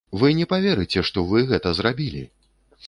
Вы не паверыце, што вы гэта зрабілі!